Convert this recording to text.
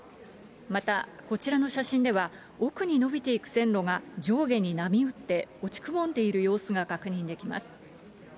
またこちらの写真では、奥に延びていく線路が上下に波打って、落ちくぼんでいる様子が確認できます。